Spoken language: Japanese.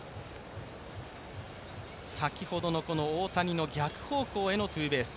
先ほどの大谷の逆方向へのツーベース。